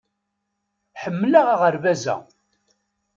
Ḥemmleɣ aɣerbaz-a.